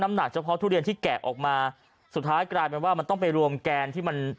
หนักเฉพาะทุเรียนที่แกะออกมาสุดท้ายกลายเป็นว่ามันต้องไปรวมแกนที่มัน